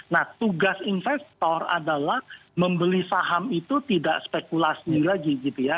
nah tugas investor adalah membeli saham itu tidak spekulasi lagi gitu ya